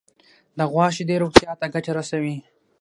د غوا شیدې روغتیا ته ګټه رسوي.